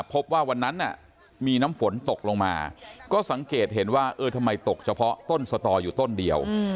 พบว่าวันนั้นมีน้ำฝนตกลงมาก็สังเกตเห็นว่าเออทำไมตกเฉพาะต้นสตออยู่ต้นเดียว